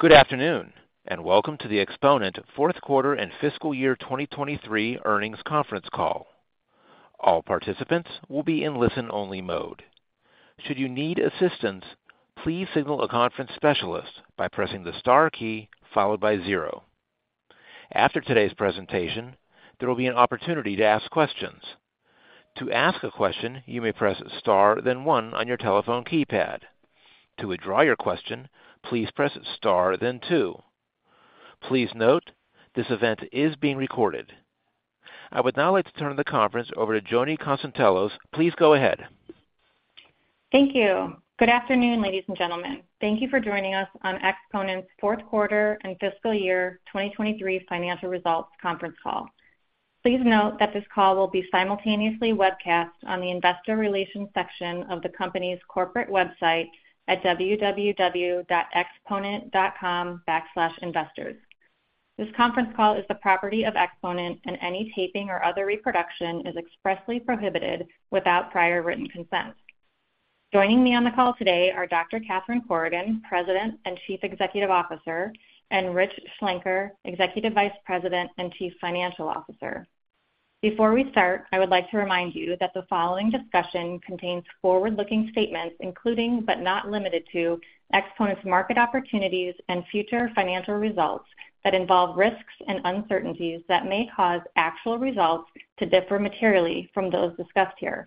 Good afternoon, and welcome to the Exponent fourth quarter and fiscal year 2023 earnings conference call. All participants will be in listen-only mode. Should you need assistance, please signal a conference specialist by pressing the star key followed by zero. After today's presentation, there will be an opportunity to ask questions. To ask a question, you may press star, then one on your telephone keypad. To withdraw your question, please press star, then two. Please note, this event is being recorded. I would now like to turn the conference over to Joni Konstantelos. Please go ahead. Thank you. Good afternoon, ladies and gentlemen. Thank you for joining us on Exponent's fourth quarter and fiscal year 2023 financial results conference call. Please note that this call will be simultaneously webcast on the investor relations section of the company's corporate website at www.exponent.com/investors. This conference call is the property of Exponent, and any taping or other reproduction is expressly prohibited without prior written consent. Joining me on the call today are Dr. Catherine Corrigan, President and Chief Executive Officer, and Rich Schlenker, Executive Vice President and Chief Financial Officer. Before we start, I would like to remind you that the following discussion contains forward-looking statements, including, but not limited to, Exponent's market opportunities and future financial results, that involve risks and uncertainties that may cause actual results to differ materially from those discussed here.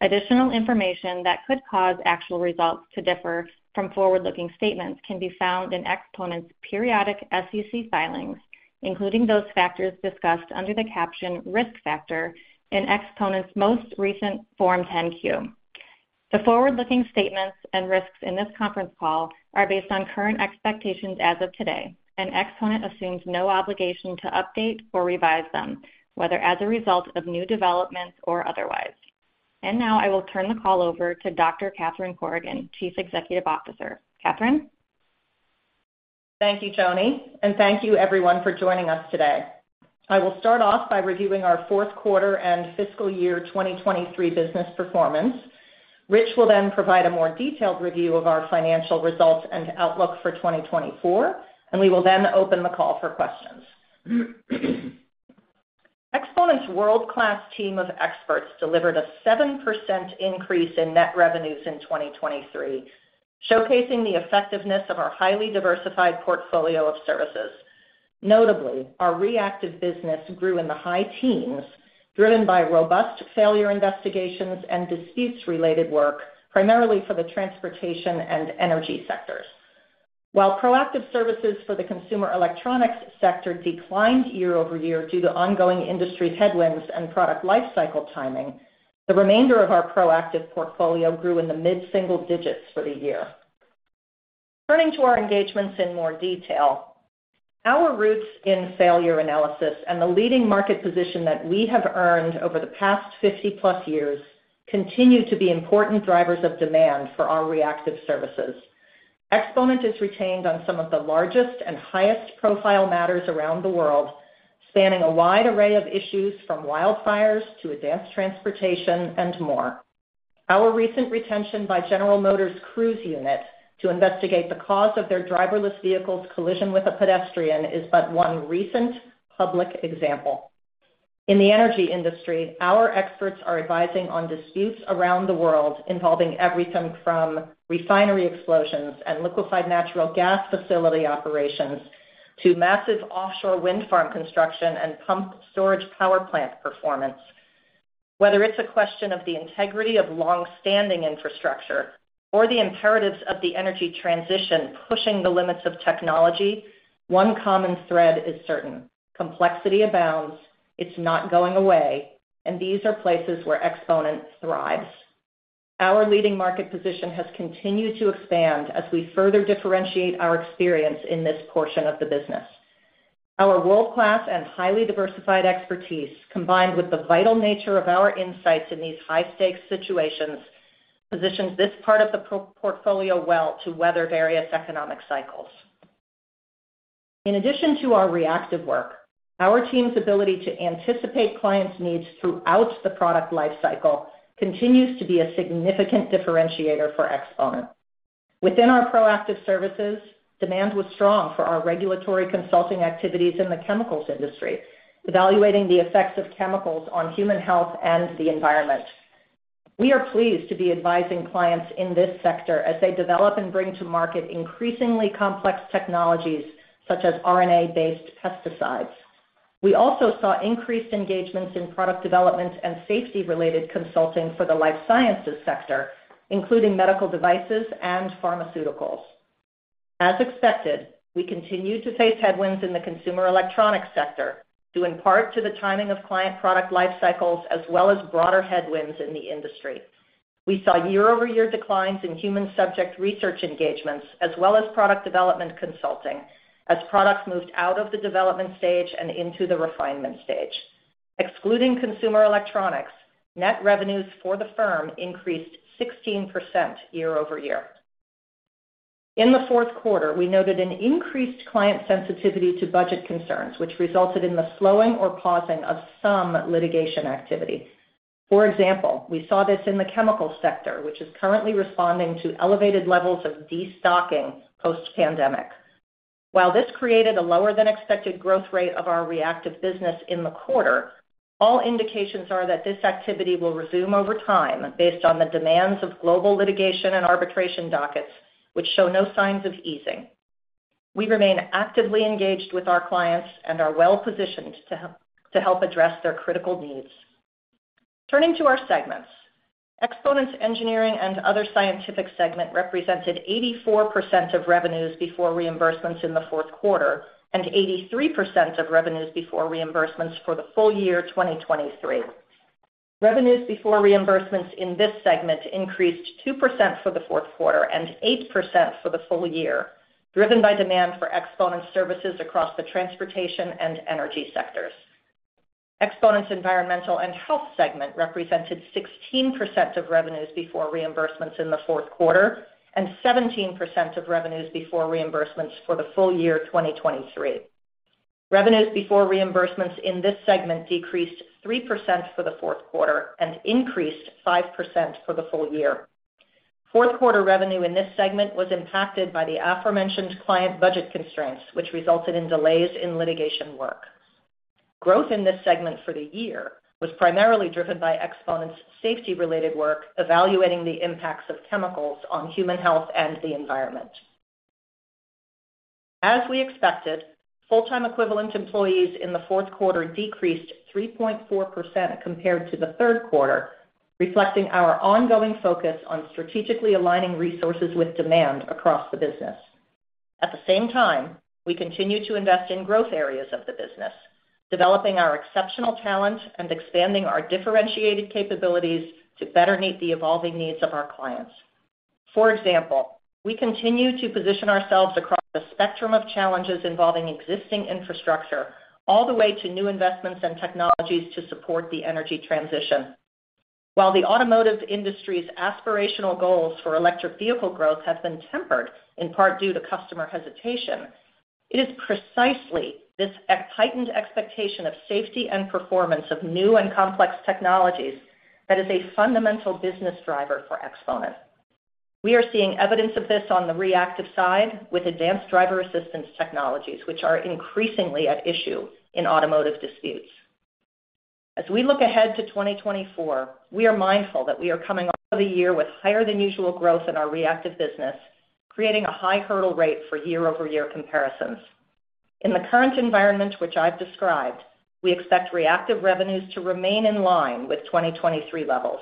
Additional information that could cause actual results to differ from forward-looking statements can be found in Exponent's periodic SEC filings, including those factors discussed under the caption Risk Factors in Exponent's most recent Form 10-Q. The forward-looking statements and risks in this conference call are based on current expectations as of today, and Exponent assumes no obligation to update or revise them, whether as a result of new developments or otherwise. And now I will turn the call over to Dr. Catherine Corrigan, Chief Executive Officer. Catherine? Thank you, Joni, and thank you everyone for joining us today. I will start off by reviewing our fourth quarter and fiscal year 2023 business performance. Rich will then provide a more detailed review of our financial results and outlook for 2024, and we will then open the call for questions. Exponent's world-class team of experts delivered a 7% increase in net revenues in 2023, showcasing the effectiveness of our highly diversified portfolio of services. Notably, our reactive business grew in the high teens, driven by robust failure investigations and disputes-related work, primarily for the transportation and energy sectors. While proactive services for the consumer electronics sector declined year-over-year due to ongoing industry headwinds and product lifecycle timing, the remainder of our proactive portfolio grew in the mid-single digits for the year. Turning to our engagements in more detail, our roots in failure analysis and the leading market position that we have earned over the past 50-plus years continue to be important drivers of demand for our reactive services. Exponent is retained on some of the largest and highest profile matters around the world, spanning a wide array of issues from wildfires to advanced transportation and more. Our recent retention by General Motors' Cruise unit to investigate the cause of their driverless vehicle's collision with a pedestrian is but one recent public example. In the energy industry, our experts are advising on disputes around the world, involving everything from refinery explosions and liquefied natural gas facility operations to massive offshore wind farm construction and pumped storage power plant performance. Whether it's a question of the integrity of long-standing infrastructure or the imperatives of the energy transition pushing the limits of technology, one common thread is certain: complexity abounds, it's not going away, and these are places where Exponent thrives. Our leading market position has continued to expand as we further differentiate our experience in this portion of the business. Our world-class and highly diversified expertise, combined with the vital nature of our insights in these high-stakes situations, positions this part of the portfolio well to weather various economic cycles. In addition to our reactive work, our team's ability to anticipate clients' needs throughout the product lifecycle continues to be a significant differentiator for Exponent. Within our proactive services, demand was strong for our regulatory consulting activities in the chemicals industry, evaluating the effects of chemicals on human health and the environment. We are pleased to be advising clients in this sector as they develop and bring to market increasingly complex technologies, such as RNA-based pesticides. We also saw increased engagements in product development and safety-related consulting for the life sciences sector, including medical devices and pharmaceuticals. As expected, we continue to face headwinds in the consumer electronics sector, due in part to the timing of client product lifecycles as well as broader headwinds in the industry. We saw year-over-year declines in human subject research engagements as well as product development consulting, as products moved out of the development stage and into the refinement stage. Excluding consumer electronics, net revenues for the firm increased 16% year-over-year. In the fourth quarter, we noted an increased client sensitivity to budget concerns, which resulted in the slowing or pausing of some litigation activity.... For example, we saw this in the chemical sector, which is currently responding to elevated levels of destocking post-pandemic. While this created a lower than expected growth rate of our reactive business in the quarter, all indications are that this activity will resume over time based on the demands of global litigation and arbitration dockets, which show no signs of easing. We remain actively engaged with our clients and are well positioned to help, to help address their critical needs. Turning to our segments, Exponent's Engineering and Other Scientific segment represented 84% of revenues before reimbursements in the fourth quarter, and 83% of revenues before reimbursements for the full year, 2023. Revenues before reimbursements in this segment increased 2% for the fourth quarter and 8% for the full year, driven by demand for Exponent services across the transportation and energy sectors. Exponent's Environmental and Health segment represented 16% of revenues before reimbursements in the fourth quarter and 17% of revenues before reimbursements for the full year, 2023. Revenues before reimbursements in this segment decreased 3% for the fourth quarter and increased 5% for the full year. Fourth quarter revenue in this segment was impacted by the aforementioned client budget constraints, which resulted in delays in litigation work. Growth in this segment for the year was primarily driven by Exponent's safety-related work, evaluating the impacts of chemicals on human health and the environment. As we expected, full-time equivalent employees in the fourth quarter decreased 3.4% compared to the Q3, reflecting our ongoing focus on strategically aligning resources with demand across the business. At the same time, we continue to invest in growth areas of the business, developing our exceptional talent and expanding our differentiated capabilities to better meet the evolving needs of our clients. For example, we continue to position ourselves across the spectrum of challenges involving existing infrastructure, all the way to new investments and technologies to support the energy transition. While the automotive industry's aspirational goals for electric vehicle growth have been tempered, in part due to customer hesitation, it is precisely this heightened expectation of safety and performance of new and complex technologies that is a fundamental business driver for Exponent. We are seeing evidence of this on the reactive side with advanced driver assistance technologies, which are increasingly at issue in automotive disputes. As we look ahead to 2024, we are mindful that we are coming off of a year with higher than usual growth in our reactive business, creating a high hurdle rate for year-over-year comparisons. In the current environment, which I've described, we expect reactive revenues to remain in line with 2023 levels.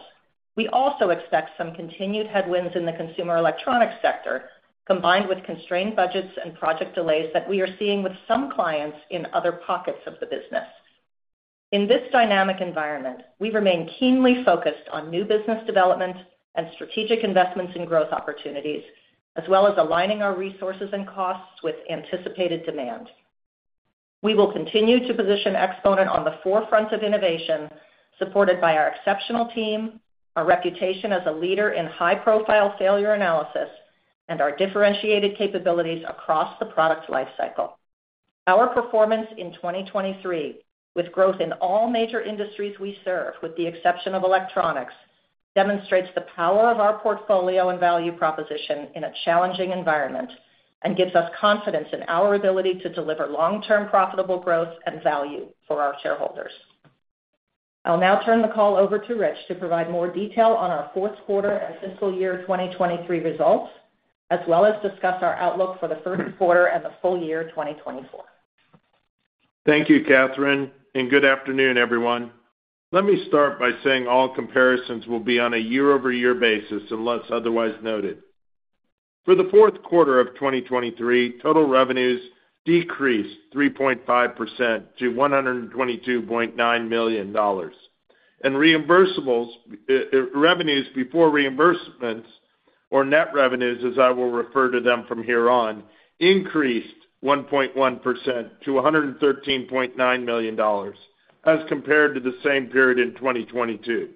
We also expect some continued headwinds in the consumer electronics sector, combined with constrained budgets and project delays that we are seeing with some clients in other pockets of the business. In this dynamic environment, we remain keenly focused on new business development and strategic investments in growth opportunities, as well as aligning our resources and costs with anticipated demand. We will continue to position Exponent on the forefront of innovation, supported by our exceptional team, our reputation as a leader in high-profile failure analysis, and our differentiated capabilities across the product lifecycle. Our performance in 2023, with growth in all major industries we serve, with the exception of electronics, demonstrates the power of our portfolio and value proposition in a challenging environment, and gives us confidence in our ability to deliver long-term profitable growth and value for our shareholders. I'll now turn the call over to Rich to provide more detail on our fourth quarter and fiscal year 2023 results, as well as discuss our outlook for the Q1 and the full year 2024. Thank you, Catherine, and good afternoon, everyone. Let me start by saying all comparisons will be on a year-over-year basis, unless otherwise noted. For the fourth quarter of 2023, total revenues decreased 3.5% to $122.9 million, and reimbursable revenues before reimbursements, or net revenues, as I will refer to them from here on, increased 1.1% to $113.9 million as compared to the same period in 2022.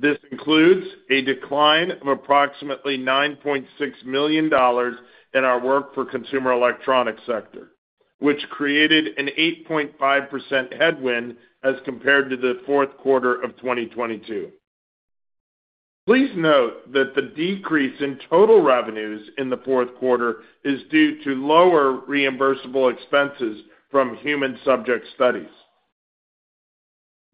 This includes a decline of approximately $9.6 million in our work for consumer electronics sector, which created an 8.5% headwind as compared to the fourth quarter of 2022. Please note that the decrease in total revenues in the fourth quarter is due to lower reimbursable expenses from human subject studies.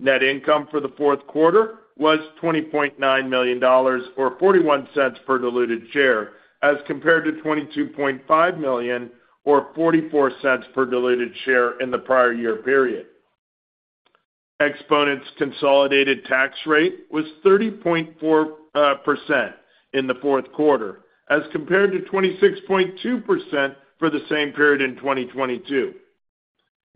Net income for the fourth quarter was $20.9 million, or $0.41 per diluted share, as compared to $22.5 million or $0.44 per diluted share in the prior year period. Exponent's consolidated tax rate was 30.4% in the fourth quarter, as compared to 26.2% for the same period in 2022.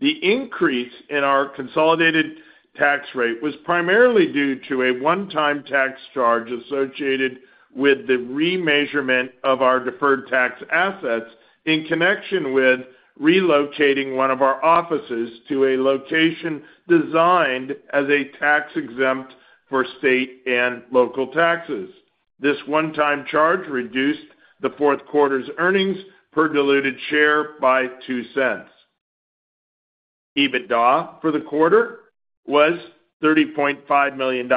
The increase in our consolidated tax rate was primarily due to a one-time tax charge associated with the remeasurement of our deferred tax assets in connection with relocating one of our offices to a location designed as a tax-exempt for state and local taxes. This one-time charge reduced the fourth quarter's earnings per diluted share by $0.02. EBITDA for the quarter was $30.5 million,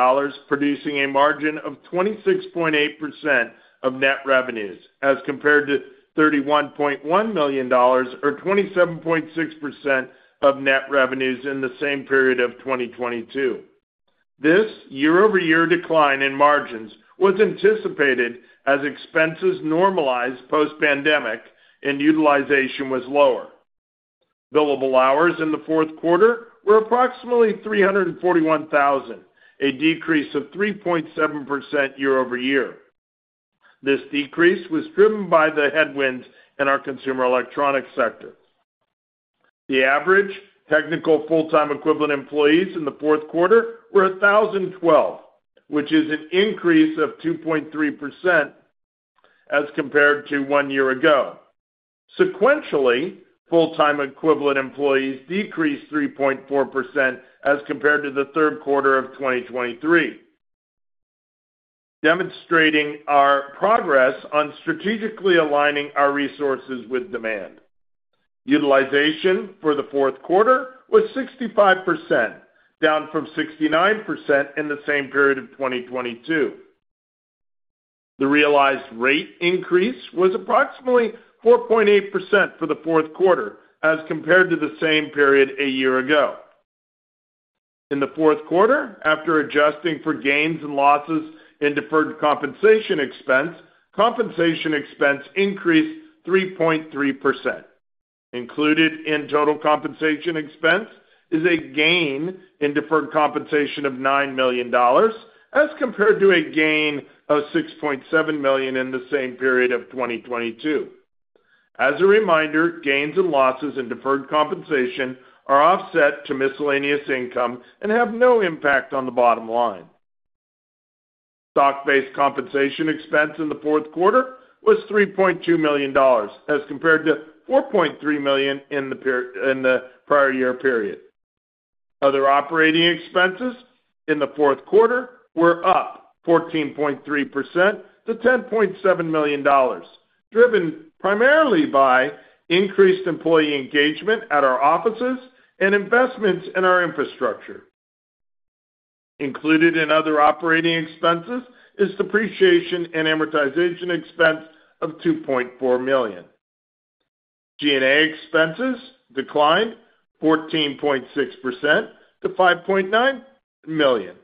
producing a margin of 26.8% of net revenues as compared to $31.1 million or 27.6% of net revenues in the same period of 2022. This year-over-year decline in margins was anticipated as expenses normalized post-pandemic and utilization was lower. Billable hours in the fourth quarter were approximately 341,000, a decrease of 3.7% year-over-year. This decrease was driven by the headwinds in our consumer electronics sector. The average technical full-time equivalent employees in the fourth quarter were 1,012, which is an increase of 2.3% as compared to one year ago. Sequentially, full-time equivalent employees decreased 3.4% as compared to the Q3 of 2023, demonstrating our progress on strategically aligning our resources with demand. Utilization for the fourth quarter was 65%, down from 69% in the same period of 2022. The realized rate increase was approximately 4.8% for the fourth quarter as compared to the same period a year ago. In the fourth quarter, after adjusting for gains and losses in deferred compensation expense, compensation expense increased 3.3%. Included in total compensation expense is a gain in deferred compensation of $9 million as compared to a gain of $6.7 million in the same period of 2022. As a reminder, gains and losses in deferred compensation are offset to miscellaneous income and have no impact on the bottom line. Stock-based compensation expense in the fourth quarter was $3.2 million as compared to $4.3 million in the prior year period. Other operating expenses in the fourth quarter were up 14.3% to $10.7 million, driven primarily by increased employee engagement at our offices and investments in our infrastructure. Included in other operating expenses is depreciation and amortization expense of $2.4 million. G&A expenses declined 14.6% to $5.9 million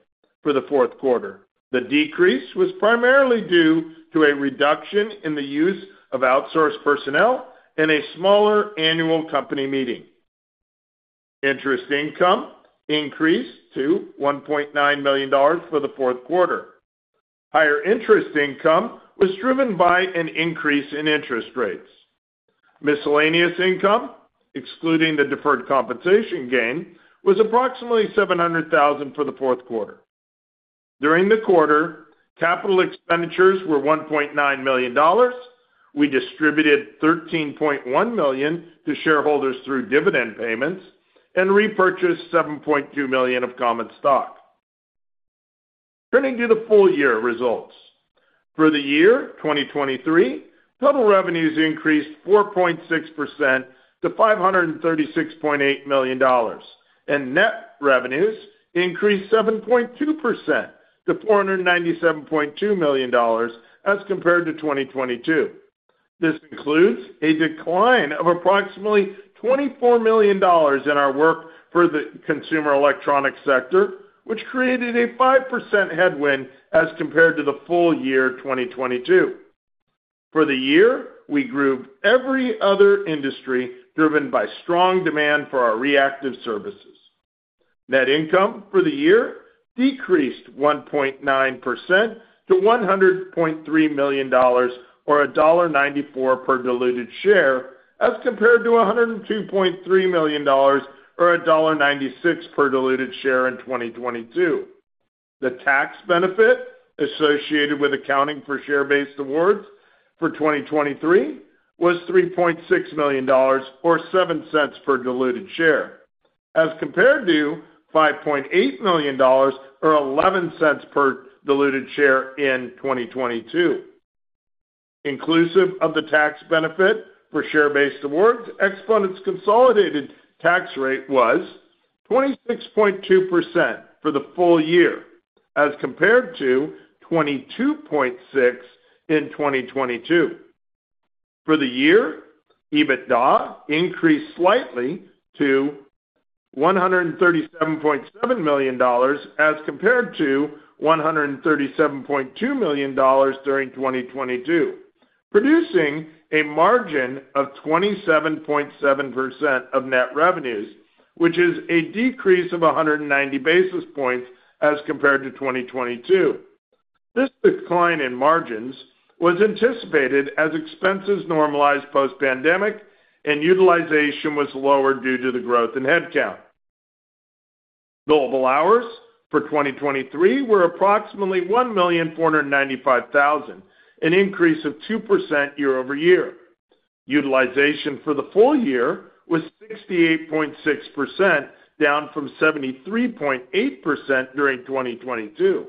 for the fourth quarter. The decrease was primarily due to a reduction in the use of outsourced personnel and a smaller annual company meeting. Interest income increased to $1.9 million for the fourth quarter. Higher interest income was driven by an increase in interest rates. Miscellaneous income, excluding the deferred compensation gain, was approximately $700,000 for the fourth quarter. During the quarter, capital expenditures were $1.9 million. We distributed $13.1 million to shareholders through dividend payments and repurchased $7 million of stock. For the year, revenues increased 4% to $1.3 or a 9% to $1.2 billion, driven by an increase in revenues of 4% to $1.3 billion and a 21% increase in other income to approximately $17 million.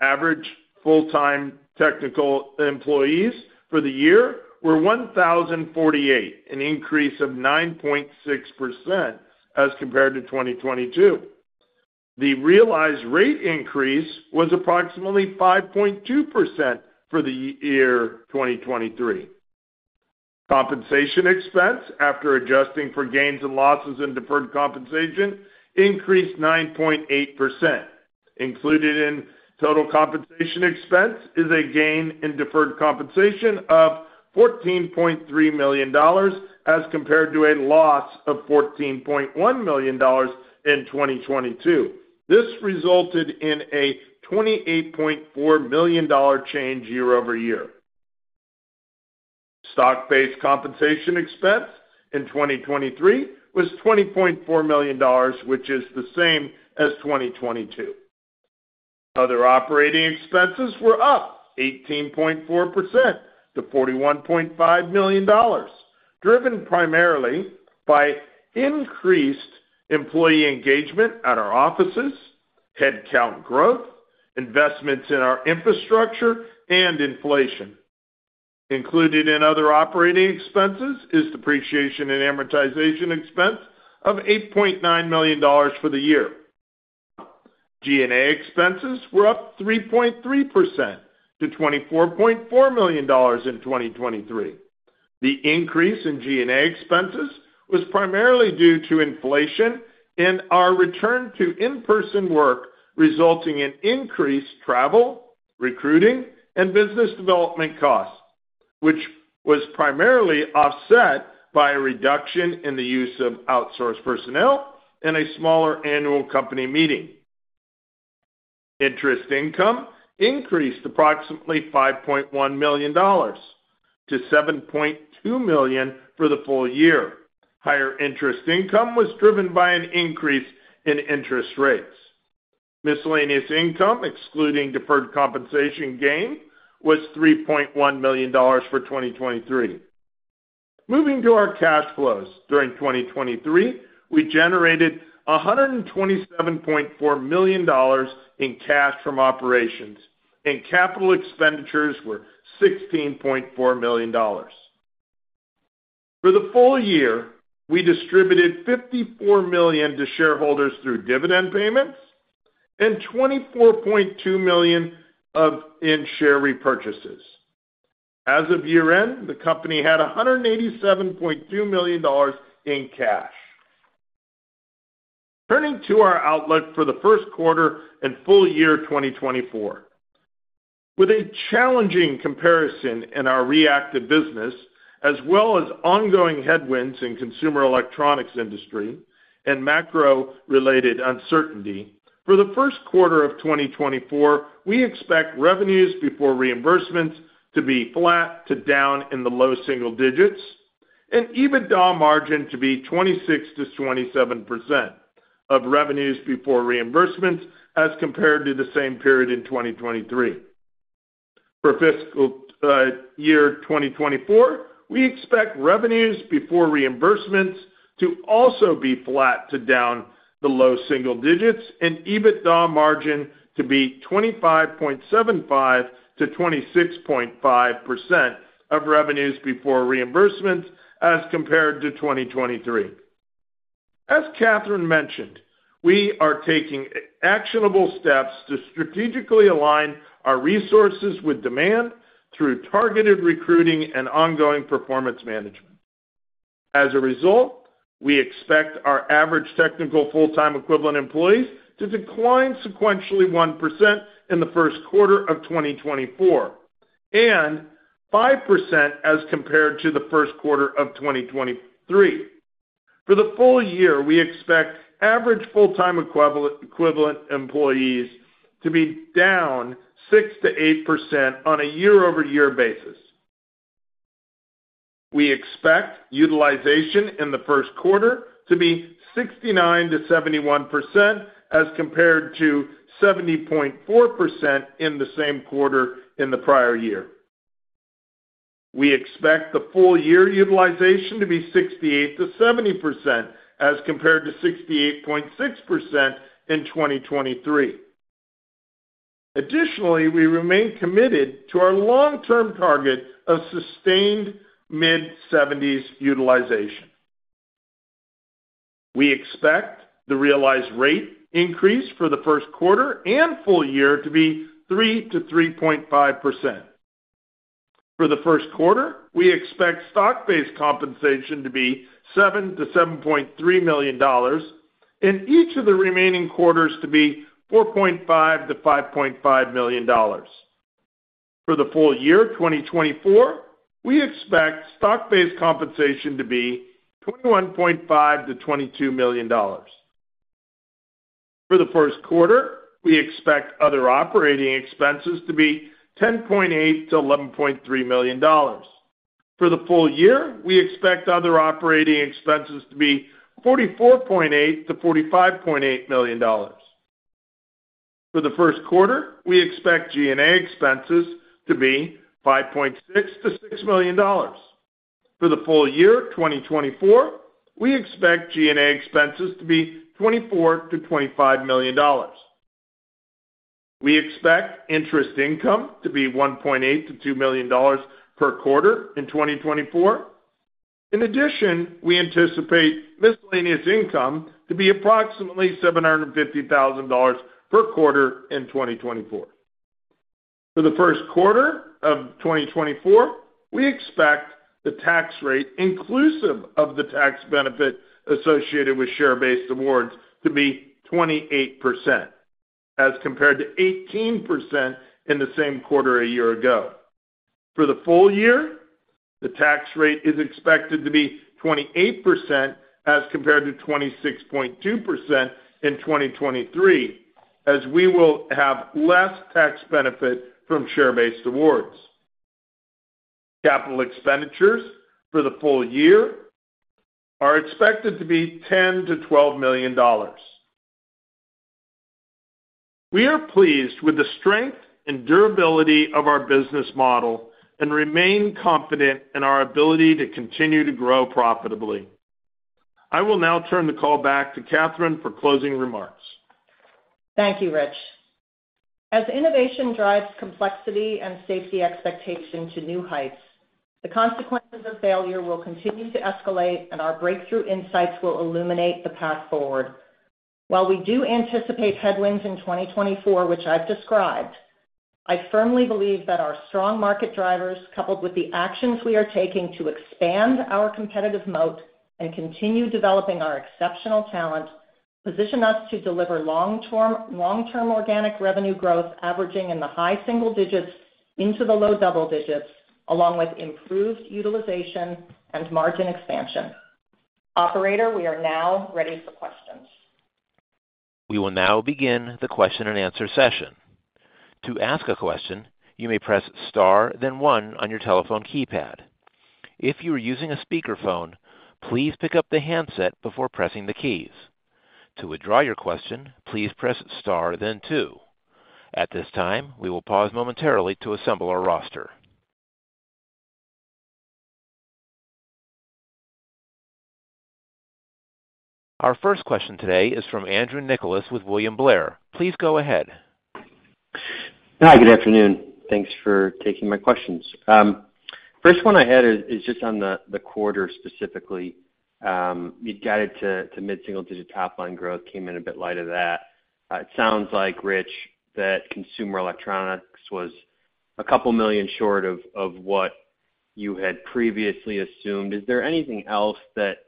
Average full-time technical employees for the year were 1,048, an increase of 9.6% as compared to 2022. The realized rate increase was approximately 5.2% for the year 2023. Compensation expense, after adjusting for gains and losses in deferred compensation, increased 9.8%. Included in total compensation expense is a gain in deferred compensation of $14.3 million, as compared to a loss of $14.1 million in 2022. This resulted in a $28.4 million change year over year. Stock-based compensation expense in 2023 was $20.4 million, which is the same as 2022. Other operating expenses were up 18.4% to $41.5 million, driven primarily by increased employee engagement at our offices, headcount growth, investments in our infrastructure, and inflation. Included in other operating expenses is depreciation and amortization expense of $8.9 million for the year. G&A expenses were up 3.3% to $24.4 million in 2023. The increase in G&A expenses was primarily due to inflation and our return to in-person work, resulting in increased travel, recruiting, and business development costs, which was primarily offset by a reduction in the use of outsourced personnel and a smaller annual company meeting. Interest income increased approximately $5.1 million to $7.2 million for the full year. Higher interest income was driven by an increase in interest rates. Miscellaneous income, excluding deferred compensation gain, was $3.1 million for 2023. Moving to our cash flows. During 2023, we generated $127.4 million in cash from operations, and capital expenditures were $16.4 million. For the full year, we distributed $54 million to shareholders through dividend payments and $24.2 million in share repurchases. As of year-end, the company had $187.2 million in cash. Turning to our outlook for the Q1 and full year 2024. With a challenging comparison in our reactive business, as well as ongoing headwinds in consumer electronics industry and macro-related uncertainty, for the Q1 of 2024, we expect revenues before reimbursements to be flat to down in the low single digits, and EBITDA margin to be 26%-27% of revenues before reimbursements as compared to the same period in 2023. For fiscal year 2024, we expect revenues before reimbursements to also be flat to down the low single digits and EBITDA margin to be 25.75%-26.5% of revenues before reimbursements as compared to 2023. As Catherine mentioned, we are taking actionable steps to strategically align our resources with demand through targeted recruiting and ongoing performance management. As a result, we expect our average technical full-time equivalent employees to decline sequentially 1% in the Q1 of 2024, and 5% as compared to the Q1 of 2023. For the full year, we expect average full-time equivalent employees to be down 6%-8% on a year-over-year basis. We expect utilization in the Q1 to be 69%-71%, as compared to 70.4% in the same quarter in the prior year. We expect the full year utilization to be 68%-70%, as compared to 68.6% in 2023. Additionally, we remain committed to our long-term target of sustained mid-seventies utilization. We expect the realized rate increase for the Q1 and full year to be 3%-3.5%. For the Q1, we expect stock-based compensation to be $7-$7.3 million, and each of the remaining quarters to be $4.5-$5.5 million. For the full year 2024, we expect stock-based compensation to be $21.5-$22 million. For the Q1, we expect other operating expenses to be $10.8-$11.3 million. For the full year, we expect other operating expenses to be $44.8-$45.8 million. For the Q1, we expect G&A expenses to be $5.6-$6 million. For the full year 2024, we expect G&A expenses to be $24-$25 million. We expect interest income to be $1.8-$2 million per quarter in 2024. In addition, we anticipate miscellaneous income to be approximately $750,000 per quarter in 2024. For the Q1 of 2024, we expect the tax rate, inclusive of the tax benefit associated with share-based awards, to be 28%, as compared to 18% in the same quarter a year ago. For the full year, the tax rate is expected to be 28%, as compared to 26.2% in 2023, as we will have less tax benefit from share-based awards. Capital expenditures for the full year are expected to be $10 million-$12 million. We are pleased with the strength and durability of our business model and remain confident in our ability to continue to grow profitably. I will now turn the call back to Catherine for closing remarks. Thank you, Rich. As innovation drives complexity and safety expectation to new heights, the consequences of failure will continue to escalate, and our breakthrough insights will illuminate the path forward. While we do anticipate headwinds in 2024, which I've described, I firmly believe that our strong market drivers, coupled with the actions we are taking to expand our competitive moat and continue developing our exceptional talent, position us to deliver long-term, long-term organic revenue growth averaging in the high single digits into the low double digits, along with improved utilization and margin expansion. Operator, we are now ready for questions. We will now begin the question-and-answer session. To ask a question, you may press Star, then one on your telephone keypad. If you are using a speakerphone, please pick up the handset before pressing the keys. To withdraw your question, please press Star then two. At this time, we will pause momentarily to assemble our roster. Our first question today is from Andrew Nicholas with William Blair. Please go ahead. Hi, good afternoon. Thanks for taking my questions. First one I had is just on the quarter specifically. You guided to mid-single-digit top-line growth, came in a bit lighter than that. It sounds like, Rich, that consumer electronics was $2 million short of what you had previously assumed. Is there anything else that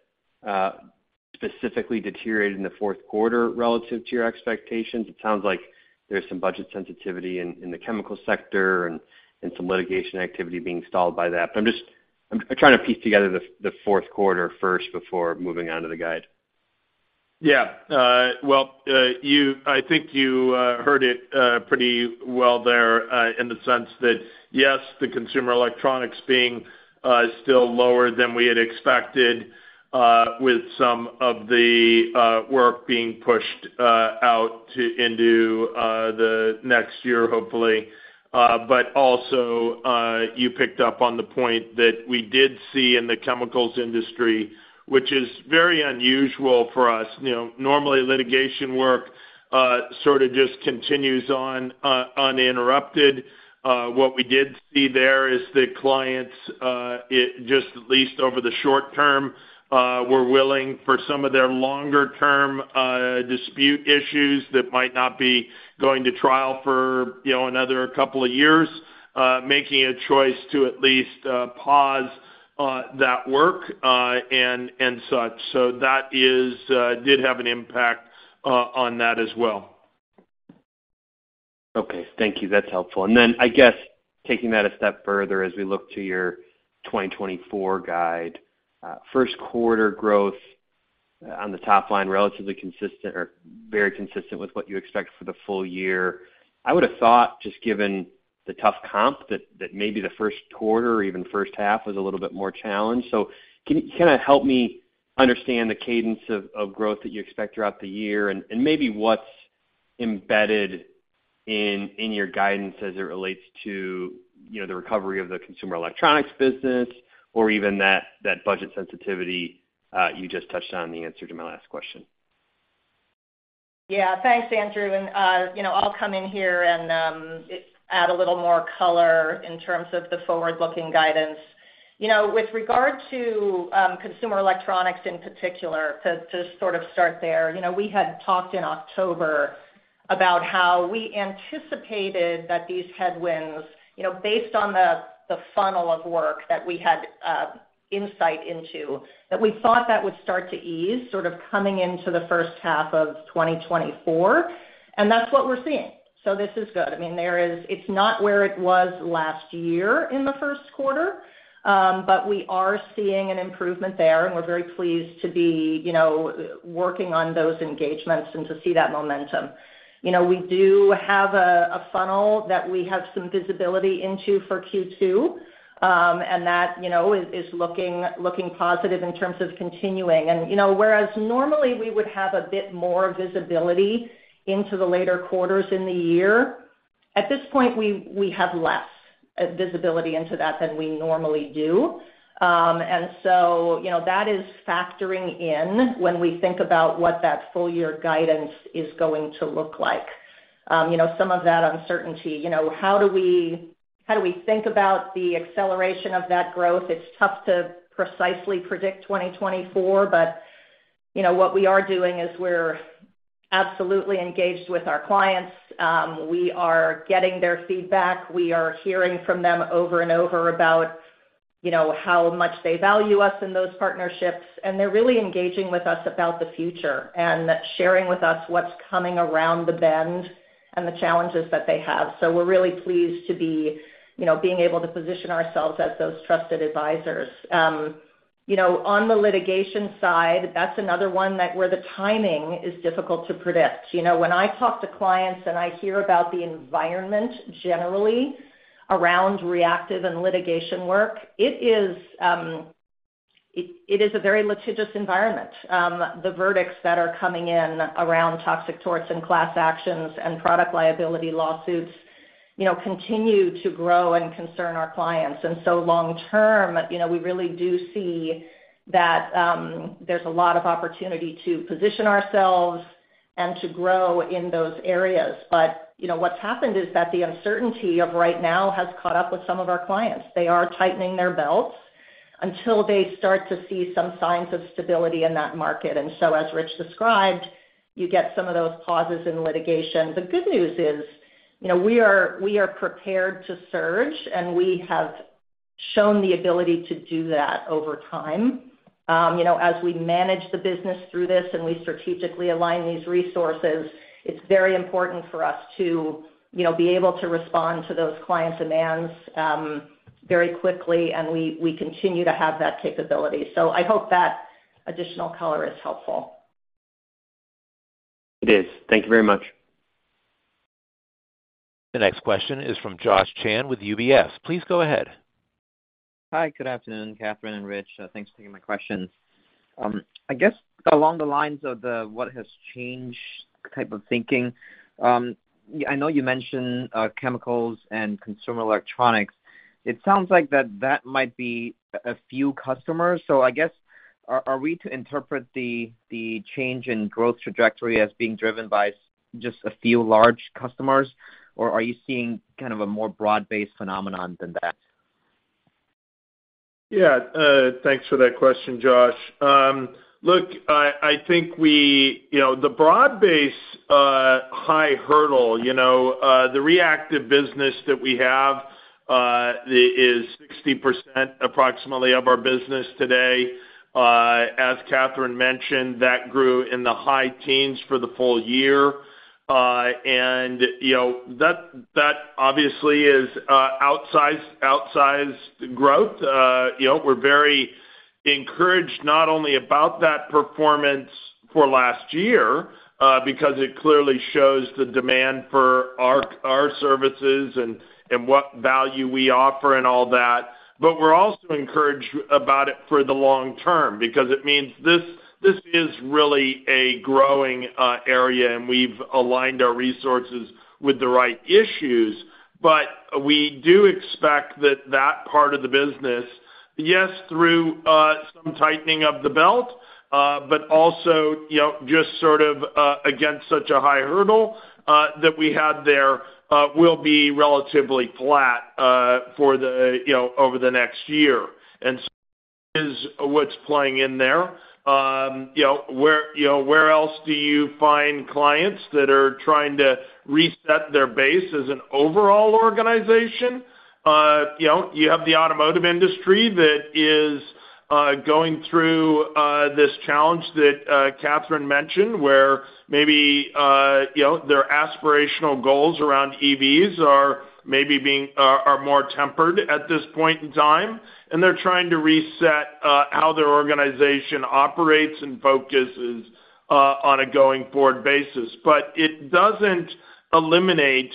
specifically deteriorated in the fourth quarter relative to your expectations? It sounds like there's some budget sensitivity in the chemical sector and some litigation activity being stalled by that. But I'm trying to piece together the fourth quarter first before moving on to the guide. Yeah. Well, I think you heard it pretty well there, in the sense that, yes, the consumer electronics being still lower than we had expected, with some of the work being pushed out to, into the next year, hopefully. But also, you picked up on the point that we did see in the chemicals industry, which is very unusual for us. You know, normally, litigation work sort of just continues on, uninterrupted. What we did see there is that clients, it just at least over the short term, were willing, for some of their longer-term dispute issues that might not be going to trial for, you know, another couple of years, making a choice to at least pause that work, and such. So that is, did have an impact on that as well. Okay. Thank you. That's helpful. And then, I guess, taking that a step further as we look to your 2024 guide, Q1 growth on the top line, relatively consistent or very consistent with what you expect for the full year. I would have thought, just given the tough comp, that maybe the Q1 or even first half was a little bit more challenged. So can you kinda help me understand the cadence of growth that you expect throughout the year, and maybe what's embedded in your guidance as it relates to, you know, the recovery of the consumer electronics business or even that budget sensitivity, you just touched on in the answer to my last question? Yeah. Thanks, Andrew. And, you know, I'll come in here and, add a little more color in terms of the forward-looking guidance. You know, with regard to, consumer electronics in particular, to, to sort of start there, you know, we had talked in October about how we anticipated that these headwinds, you know, based on the, the funnel of work that we had, insight into, that we thought that would start to ease, sort of coming into the first half of 2024, and that's what we're seeing. So this is good. I mean, there is—it's not where it was last year in the Q1, but we are seeing an improvement there, and we're very pleased to be, you know, working on those engagements and to see that momentum. You know, we do have a funnel that we have some visibility into for Q2, and that, you know, is looking positive in terms of continuing. And, you know, whereas normally we would have a bit more visibility into the later quarters in the year. At this point, we have less visibility into that than we normally do. And so, you know, that is factoring in when we think about what that full year guidance is going to look like. You know, some of that uncertainty, you know, how do we, how do we think about the acceleration of that growth? It's tough to precisely predict 2024, but, you know, what we are doing is we're absolutely engaged with our clients. We are getting their feedback. We are hearing from them over and over about, you know, how much they value us in those partnerships, and they're really engaging with us about the future and sharing with us what's coming around the bend and the challenges that they have. So we're really pleased to be, you know, being able to position ourselves as those trusted advisors. You know, on the litigation side, that's another one that, where the timing is difficult to predict. You know, when I talk to clients, and I hear about the environment generally around reactive and litigation work, it is a very litigious environment. The verdicts that are coming in around toxic torts and class actions and product liability lawsuits, you know, continue to grow and concern our clients. And so long term, you know, we really do see that, there's a lot of opportunity to position ourselves and to grow in those areas. But, you know, what's happened is that the uncertainty of right now has caught up with some of our clients. They are tightening their belts until they start to see some signs of stability in that market. And so as Rich described, you get some of those pauses in litigation. The good news is, you know, we are, we are prepared to surge, and we have shown the ability to do that over time. You know, as we manage the business through this and we strategically align these resources, it's very important for us to, you know, be able to respond to those clients' demands, very quickly, and we, we continue to have that capability. I hope that additional color is helpful. It is. Thank you very much. The next question is from Josh Chan with UBS. Please go ahead. Hi, good afternoon, Catherine and Rich. Thanks for taking my questions. I guess along the lines of the what has changed type of thinking, I know you mentioned chemicals and consumer electronics. It sounds like that that might be a few customers. So I guess, are we to interpret the change in growth trajectory as being driven by just a few large customers? Or are you seeing kind of a more broad-based phenomenon than that? Yeah, thanks for that question, Josh. Look, I think we... You know, the broad-based high hurdle, you know, the reactive business that we have is approximately 60% of our business today. As Catherine mentioned, that grew in the high teens for the full year. And, you know, that obviously is outsized growth. You know, we're very encouraged not only about that performance for last year, because it clearly shows the demand for our services and what value we offer and all that, but we're also encouraged about it for the long term because it means this is really a growing area, and we've aligned our resources with the right issues. But we do expect that that part of the business, yes, through some tightening of the belt, but also, you know, just sort of against such a high hurdle that we had there, will be relatively flat, you know, over the next year. And is what's playing in there. You know, where, you know, where else do you find clients that are trying to reset their base as an overall organization? You know, you have the automotive industry that is going through this challenge that Catherine mentioned, where maybe, you know, their aspirational goals around EVs are maybe being, are more tempered at this point in time, and they're trying to reset how their organization operates and focuses on a going-forward basis. But it doesn't eliminate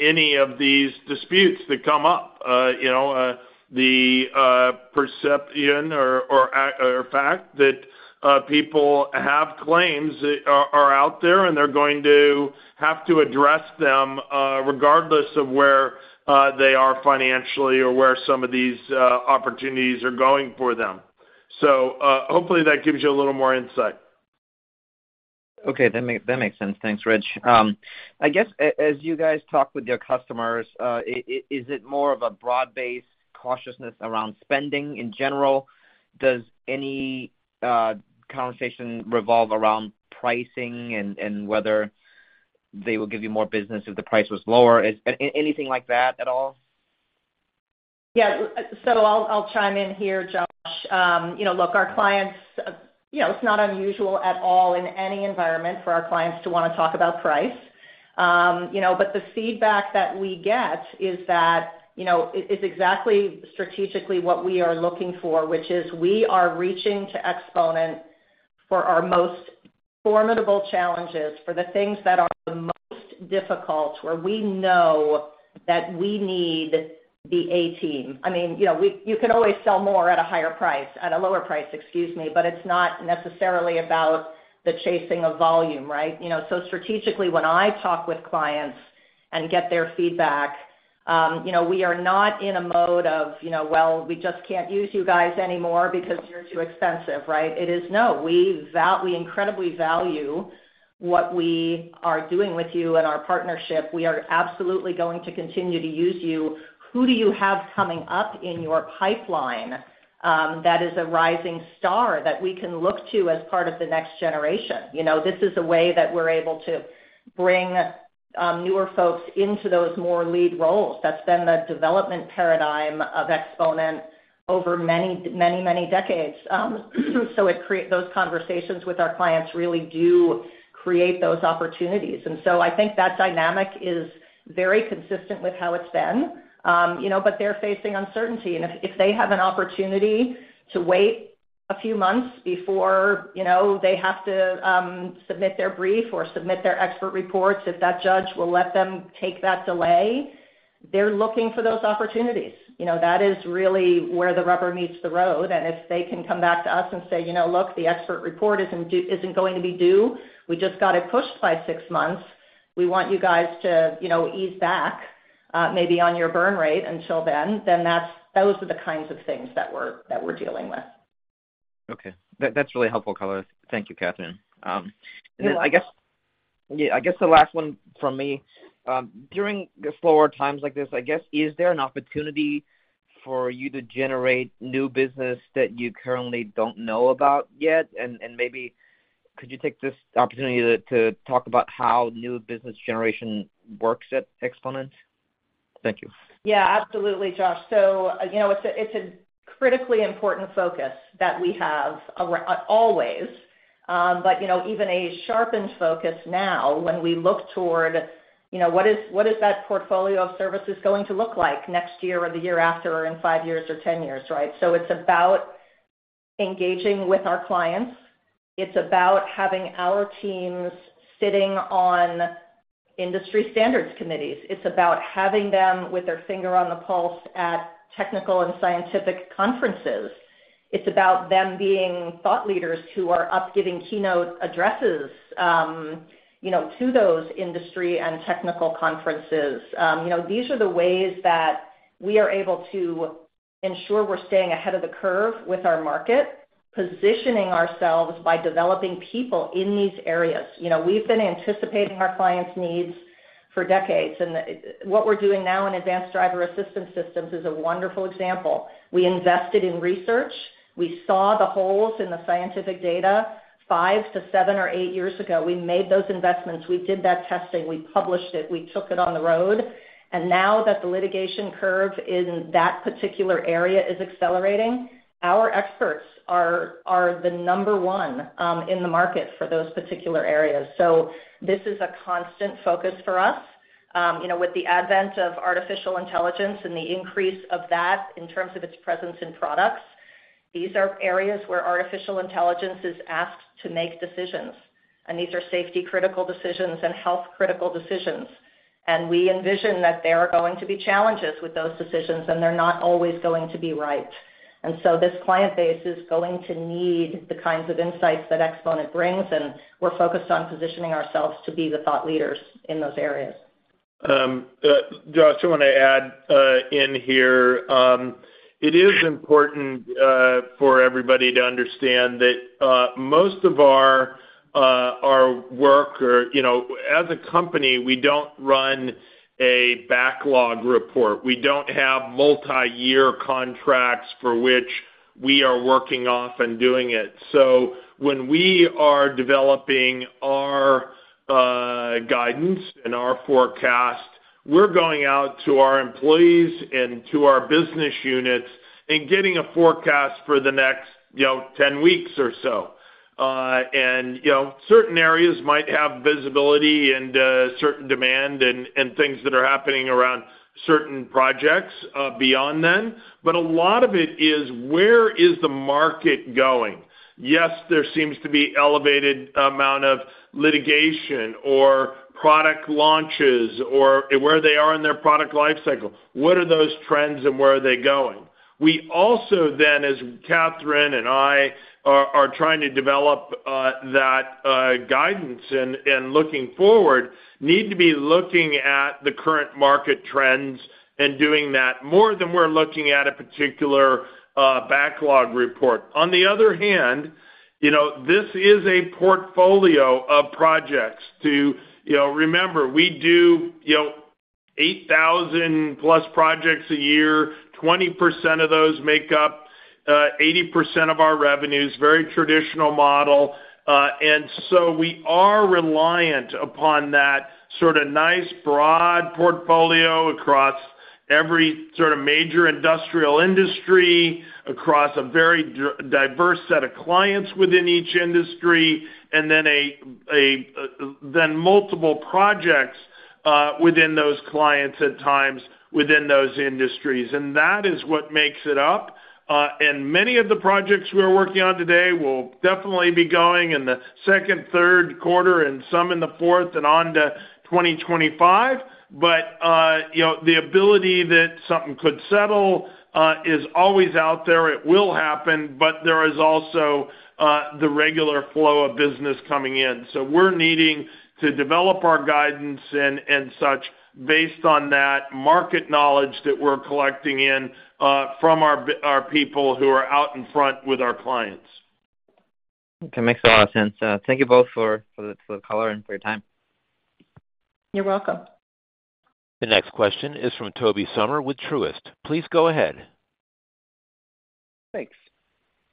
any of these disputes that come up. You know, the perception or fact that people have claims are out there, and they're going to have to address them regardless of where they are financially or where some of these opportunities are going for them. So, hopefully, that gives you a little more insight. Okay, that make, that makes sense. Thanks, Rich. I guess as you guys talk with your customers, is it more of a broad-based cautiousness around spending in general? Does any conversation revolve around pricing and whether they will give you more business if the price was lower? Anything like that at all? Yeah, so I'll chime in here, Josh. You know, look, our clients, you know, it's not unusual at all in any environment for our clients to wanna talk about price. You know, but the feedback that we get is that, you know, it, it's exactly strategically what we are looking for, which is we are reaching to Exponent for our most formidable challenges, for the things that are the most difficult, where we know that we need the A team. I mean, you know, we, you can always sell more at a higher price, at a lower price, excuse me, but it's not necessarily about the chasing of volume, right? You know, so strategically, when I talk with clients and get their feedback, you know, we are not in a mode of, you know, "Well, we just can't use you guys anymore because you're too expensive," right? It is, "No, we incredibly value what we are doing with you and our partnership. We are absolutely going to continue to use you. Who do you have coming up in your pipeline, that is a rising star that we can look to as part of the next generation?" You know, this is a way that we're able to bring, newer folks into those more lead roles. That's been the development paradigm of Exponent over many, many, many decades. So those conversations with our clients really do create those opportunities. And so I think that dynamic is very consistent with how it's been. You know, but they're facing uncertainty, and if they have an opportunity to wait a few months before, you know, they have to submit their brief or submit their expert reports, if that judge will let them take that delay, they're looking for those opportunities. You know, that is really where the rubber meets the road. And if they can come back to us and say, "You know, look, the expert report isn't due, isn't going to be due. We just got it pushed by six months. We want you guys to, you know, ease back, maybe on your burn rate until then," then that's those are the kinds of things that we're dealing with. Okay. That's really helpful color. Thank you, Catherine. You're welcome. And I guess... Yeah, I guess the last one from me, during the slower times like this, I guess, is there an opportunity for you to generate new business that you currently don't know about yet? And maybe could you take this opportunity to talk about how new business generation works at Exponent? Thank you. Yeah, absolutely, Josh. So, you know, it's a critically important focus that we have around always. But, you know, even a sharpened focus now, when we look toward, you know, what is that portfolio of services going to look like next year or the year after or in five years or 10 years, right? So it's about engaging with our clients. It's about having our teams sitting on industry standards committees. It's about having them with their finger on the pulse at technical and scientific conferences. It's about them being thought leaders who are up giving keynote addresses, you know, to those industry and technical conferences. You know, these are the ways that we are able to ensure we're staying ahead of the curve with our market, positioning ourselves by developing people in these areas. You know, we've been anticipating our clients' needs for decades, and what we're doing now in advanced driver assistance systems is a wonderful example. We invested in research. We saw the holes in the scientific data 5 to 7 or 8 years ago. We made those investments, we did that testing, we published it, we took it on the road, and now that the litigation curve in that particular area is accelerating, our experts are the number one in the market for those particular areas. So this is a constant focus for us. You know, with the advent of artificial intelligence and the increase of that in terms of its presence in products, these are areas where artificial intelligence is asked to make decisions, and these are safety-critical decisions and health-critical decisions. We envision that there are going to be challenges with those decisions, and they're not always going to be right. And so this client base is going to need the kinds of insights that Exponent brings, and we're focused on positioning ourselves to be the thought leaders in those areas. Josh, I want to add in here. It is important for everybody to understand that most of our work. You know, as a company, we don't run a backlog report. We don't have multi-year contracts for which we are working off and doing it. So when we are developing our guidance and our forecast, we're going out to our employees and to our business units and getting a forecast for the next, you know, 10 weeks or so. And, you know, certain areas might have visibility and certain demand and things that are happening around certain projects beyond then, but a lot of it is: Where is the market going? Yes, there seems to be elevated amount of litigation or product launches or where they are in their product life cycle. What are those trends, and where are they going? We also then, as Catherine and I are trying to develop that guidance and looking forward, need to be looking at the current market trends and doing that more than we're looking at a particular backlog report. On the other hand, you know, this is a portfolio of projects. You know, remember, we do 8,000+ projects a year. 20% of those make up 80% of our revenues, very traditional model, and so we are reliant upon that sort of nice, broad portfolio across every sort of major industrial industry, across a very diverse set of clients within each industry, and then multiple projects within those clients at times within those industries. And that is what makes it up. Many of the projects we're working on today will definitely be going in the second, Q3, and some in the fourth and on to 2025. But, you know, the ability that something could settle is always out there. It will happen, but there is also the regular flow of business coming in. So we're needing to develop our guidance and such based on that market knowledge that we're collecting in from our people who are out in front with our clients.... Okay, makes a lot of sense. Thank you both for the color and for your time. You're welcome. The next question is from Tobey Sommer with Truist. Please go ahead. Thanks.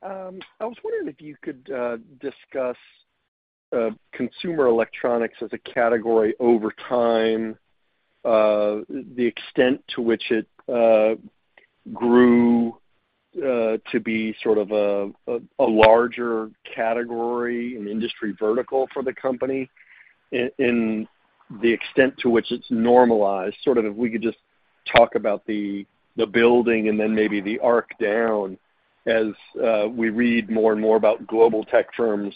I was wondering if you could discuss consumer electronics as a category over time, the extent to which it grew to be sort of a larger category and industry vertical for the company, and the extent to which it's normalized. Sort of if we could just talk about the building and then maybe the arc down, as we read more and more about global tech firms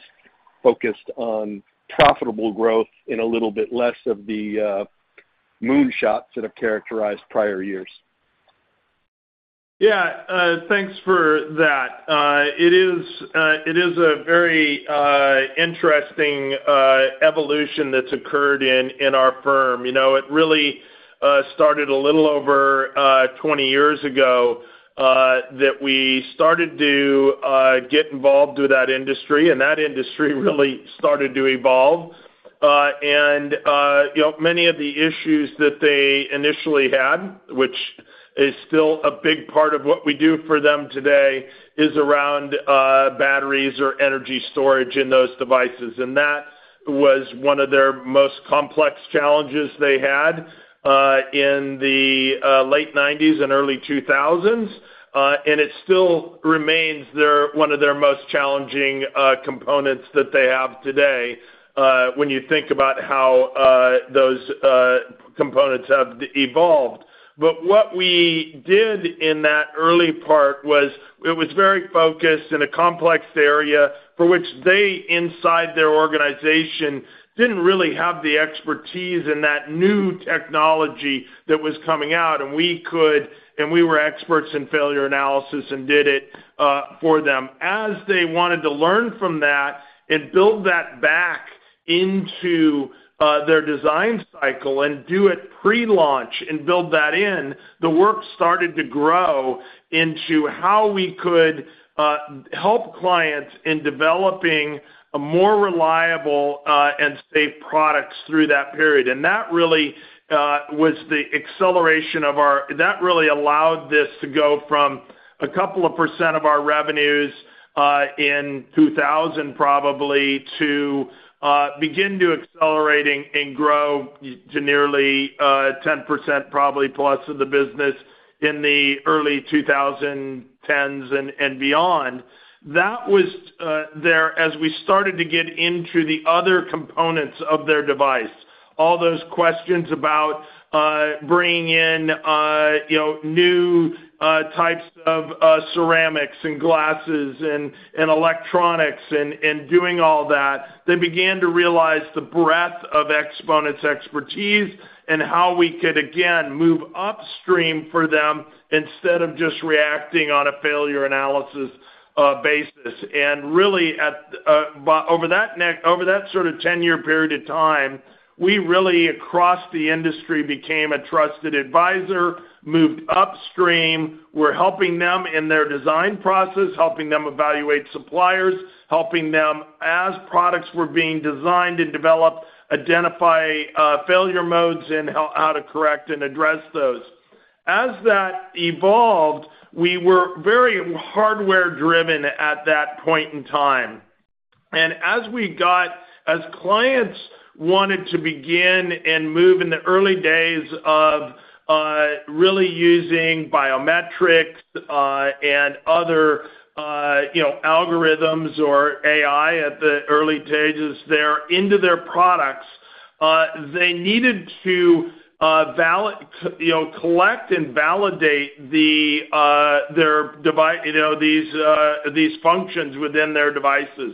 focused on profitable growth and a little bit less of the moonshots that have characterized prior years. Yeah, thanks for that. It is a very interesting evolution that's occurred in our firm. You know, it really started a little over 20 years ago that we started to get involved with that industry, and that industry really started to evolve. And you know, many of the issues that they initially had, which is still a big part of what we do for them today, is around batteries or energy storage in those devices. And that was one of their most complex challenges they had in the late 1990s and early 2000s. And it still remains one of their most challenging components that they have today when you think about how those components have evolved. But what we did in that early part was it was very focused in a complex area for which they, inside their organization, didn't really have the expertise in that new technology that was coming out, and we were experts in failure analysis and did it for them. As they wanted to learn from that and build that back into their design cycle and do it pre-launch and build that in, the work started to grow into how we could help clients in developing a more reliable and safe products through that period. That really was the acceleration that really allowed this to go from a couple of percent of our revenues in 2000 probably, to begin to accelerating and grow to nearly 10% probably plus of the business in the early 2010s and, and beyond. That was there as we started to get into the other components of their device. All those questions about bringing in, you know, new types of ceramics and glasses and, and electronics and, and doing all that, they began to realize the breadth of Exponent's expertise and how we could again move upstream for them instead of just reacting on a failure analysis basis. And really, over that sort of 10-year period of time, we really, across the industry, became a trusted advisor, moved upstream. We're helping them in their design process, helping them evaluate suppliers, helping them as products were being designed and developed, identify failure modes and how to correct and address those. As that evolved, we were very hardware driven at that point in time. And as clients wanted to begin and move in the early days of really using biometrics and other, you know, algorithms or AI at the early stages there into their products, they needed to validate, you know, collect and validate the, you know, these functions within their devices.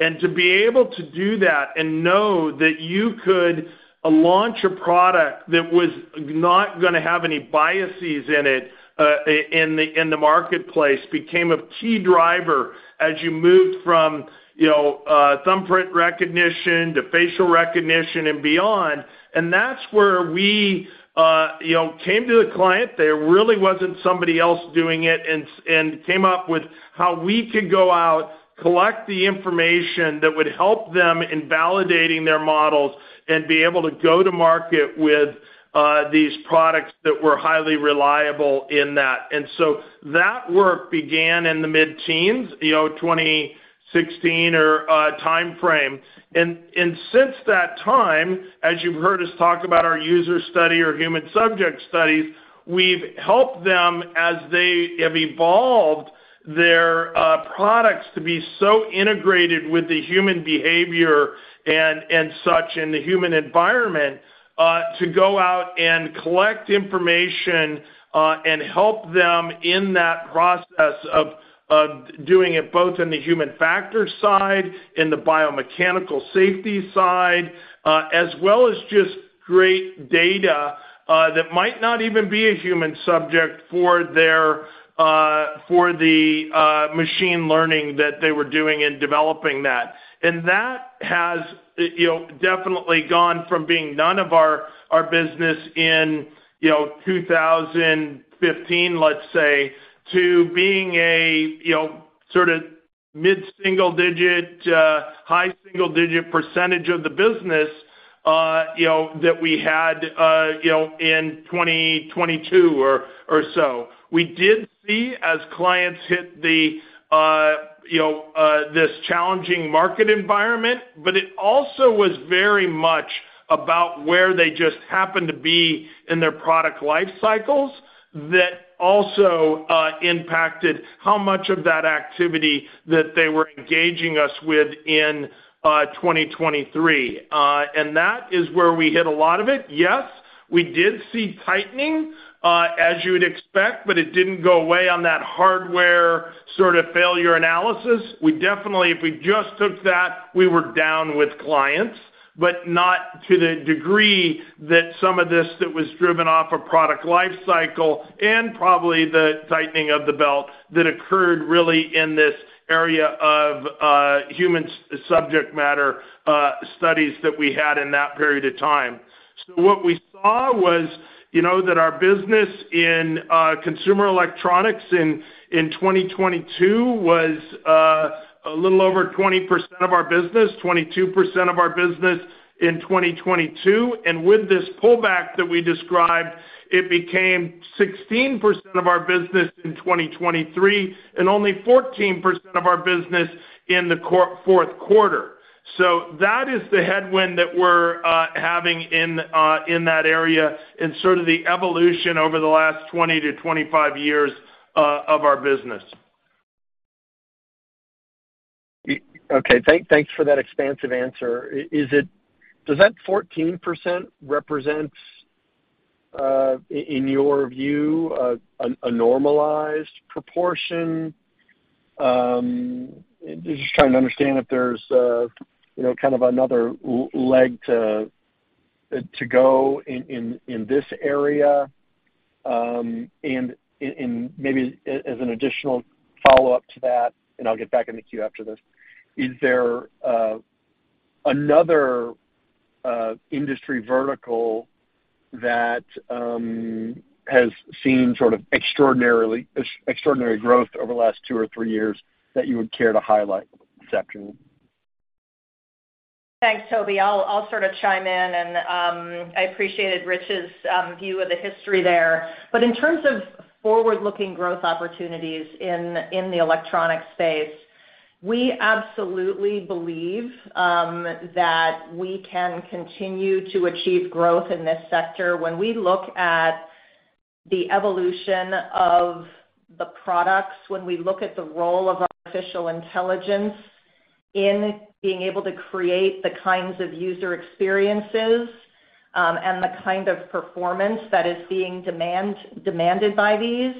To be able to do that and know that you could launch a product that was not gonna have any biases in it, in the marketplace, became a key driver as you moved from, you know, thumbprint recognition to facial recognition and beyond. That's where we, you know, came to the client. There really wasn't somebody else doing it, and came up with how we could go out, collect the information that would help them in validating their models, and be able to go to market with, these products that were highly reliable in that. So that work began in the mid-teens, you know, 2016 or timeframe. Since that time, as you've heard us talk about our user study or human subject studies, we've helped them as they have evolved their products to be so integrated with the human behavior and such and the human environment, to go out and collect information, and help them in that process of doing it, both in the human factors side, in the biomechanical safety side, as well as just great data that might not even be a human subject for the machine learning that they were doing in developing that.... That has, you know, definitely gone from being none of our, our business in, you know, 2015, let's say, to being a, you know, sort of mid-single digit-high single digit% of the business, you know, that we had, you know, in 2022 or so. We did see, as clients hit the, you know, this challenging market environment, but it also was very much about where they just happened to be in their product life cycles, that also impacted how much of that activity that they were engaging us with in 2023. And that is where we hit a lot of it. Yes, we did see tightening, as you'd expect, but it didn't go away on that hardware sort of failure analysis. We definitely, if we just took that, we were down with clients, but not to the degree that some of this that was driven off a product life cycle, and probably the tightening of the belt that occurred really in this area of human subject studies that we had in that period of time. So what we saw was, you know, that our business in consumer electronics in 2022 was a little over 20% of our business, 22% of our business in 2022. And with this pullback that we described, it became 16% of our business in 2023, and only 14% of our business in the fourth quarter. So that is the headwind that we're having in that area and sort of the evolution over the last 20-25 years of our business. Okay, thanks for that expansive answer. Does that 14% represent, in your view, a normalized proportion? Just trying to understand if there's, you know, kind of another leg to go in this area. And maybe as an additional follow-up to that, and I'll get back in the queue after this, is there another industry vertical that has seen extraordinary growth over the last two or three years that you would care to highlight, Catherine? Thanks, Tobey. I'll sort of chime in and I appreciated Rich's view of the history there. But in terms of forward-looking growth opportunities in the electronic space, we absolutely believe that we can continue to achieve growth in this sector. When we look at the evolution of the products, when we look at the role of artificial intelligence in being able to create the kinds of user experiences and the kind of performance that is being demanded by these.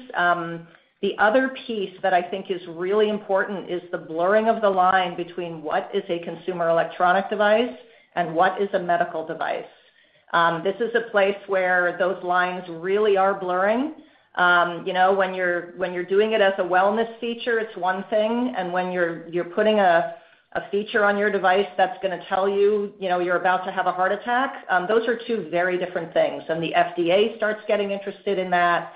The other piece that I think is really important is the blurring of the line between what is a consumer electronic device and what is a medical device. This is a place where those lines really are blurring. You know, when you're doing it as a wellness feature, it's one thing, and when you're putting a feature on your device that's gonna tell you, you know, you're about to have a heart attack, those are two very different things, and the FDA starts getting interested in that, and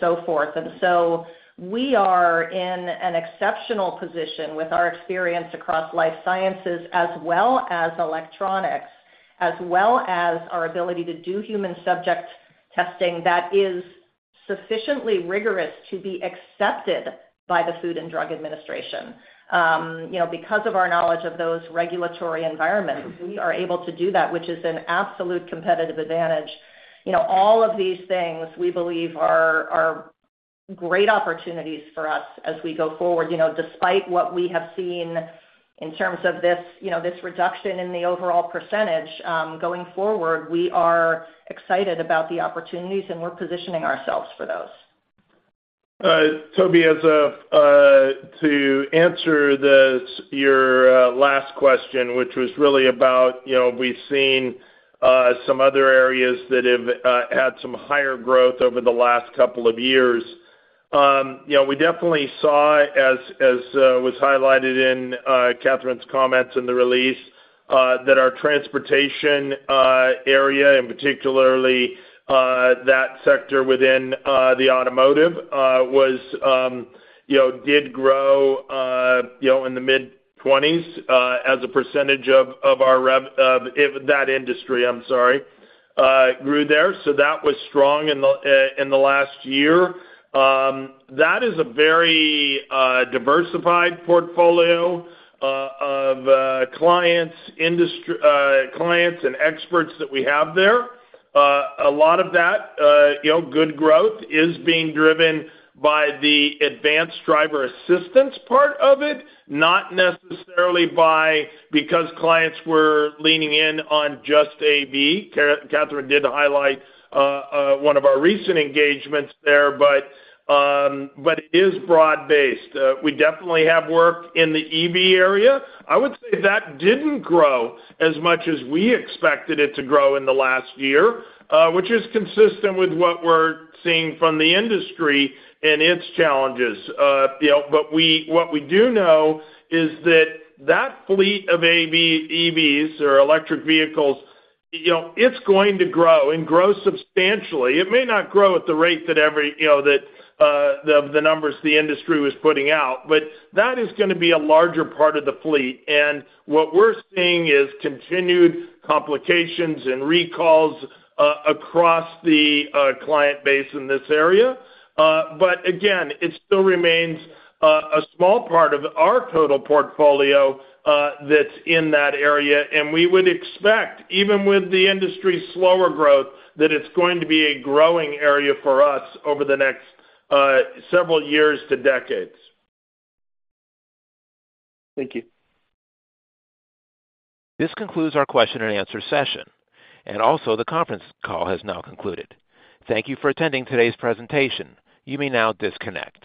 so forth. And so we are in an exceptional position with our experience across life sciences, as well as electronics, as well as our ability to do human subject testing that is sufficiently rigorous to be accepted by the Food and Drug Administration. You know, because of our knowledge of those regulatory environments, we are able to do that, which is an absolute competitive advantage. You know, all of these things, we believe are great opportunities for us as we go forward. You know, despite what we have seen in terms of this, you know, this reduction in the overall percentage, going forward, we are excited about the opportunities, and we're positioning ourselves for those. Tobey, as to answer this, your last question, which was really about, you know, we've seen some other areas that have had some higher growth over the last couple of years. You know, we definitely saw, as was highlighted in Catherine's comments in the release, that our transportation area, and particularly that sector within the automotive, was, you know, did grow, you know, in the mid-20s% as a percentage of our revenue in that industry, I'm sorry, grew there. So that was strong in the last year. That is a very diversified portfolio of clients, industry clients and experts that we have there. A lot of that, you know, good growth is being driven by the advanced driver assistance part of it, not necessarily by, because clients were leaning in on just AV. Catherine did highlight, one of our recent engagements there, but, but it is broad-based. We definitely have worked in the EV area. I would say that didn't grow as much as we expected it to grow in the last year, which is consistent with what we're seeing from the industry and its challenges. You know, but what we do know is that, that fleet of AV-- EVs or electric vehicles, you know, it's going to grow and grow substantially. It may not grow at the rate that every, you know, that the numbers the industry was putting out, but that is gonna be a larger part of the fleet. And what we're seeing is continued complications and recalls across the client base in this area. But again, it still remains a small part of our total portfolio that's in that area, and we would expect, even with the industry's slower growth, that it's going to be a growing area for us over the next several years to decades. Thank you. This concludes our question and answer session, and also the conference call has now concluded. Thank you for attending today's presentation. You may now disconnect.